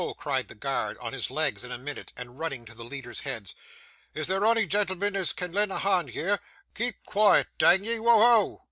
cried the guard, on his legs in a minute, and running to the leaders' heads. 'Is there ony genelmen there as can len' a hond here? Keep quiet, dang ye! Wo ho!